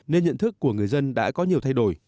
nên nhận thức của người dân đã có nhiều thay đổi